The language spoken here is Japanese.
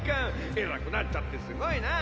えらくなっちゃってすごいなあ。